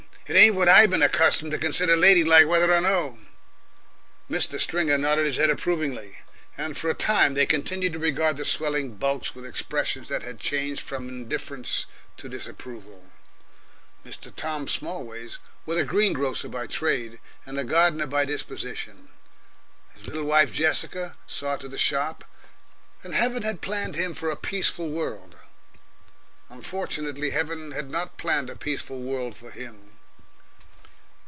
It ain't what I been accustomed to consider ladylike, whether or no." Mr. Stringer nodded his head approvingly, and for a time they continued to regard the swelling bulks with expressions that had changed from indifference to disapproval. Mr. Tom Smallways was a green grocer by trade and a gardener by disposition; his little wife Jessica saw to the shop, and Heaven had planned him for a peaceful world. Unfortunately Heaven had not planned a peaceful world for him.